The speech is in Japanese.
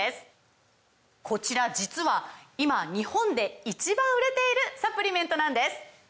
こちら実は今日本で１番売れているサプリメントなんです！